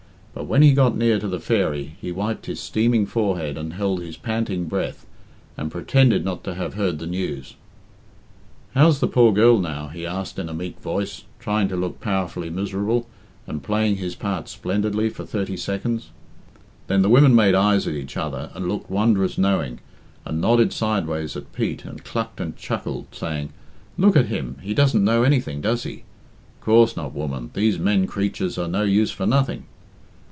But when he got near to the "Fairy," he wiped his steaming forehead and held his panting breath, and pretended not to have heard the news. "How's the poor girl now?" he said in a meek voice, trying to look powerfully miserable, and playing his part splendidly for thirty seconds. Then the women made eyes at each other and looked wondrous knowing, and nodded sideways at Pete, and clucked and chuckled, saying, "Look at him, he doesn't know anything, does he?" "Coorse not, woman these men creatures are no use for nothing."